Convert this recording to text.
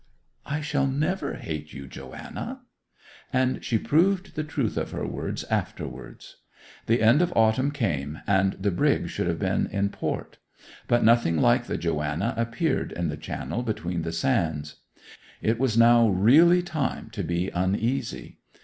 'I shall never hate you, Joanna.' And she proved the truth of her words afterwards. The end of autumn came, and the brig should have been in port; but nothing like the Joanna appeared in the channel between the sands. It was now really time to be uneasy.